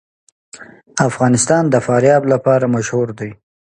افغانستان د فاریاب لپاره مشهور دی.